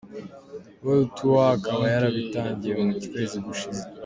World Tour akaba yarabitangiye mu kwezi gushize.